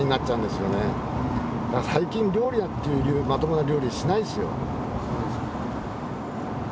だから最近料理なんていうまともな料理しないですよ。